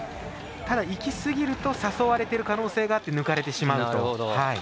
ただ、いきすぎると誘われている可能性があって抜かれてしまうと。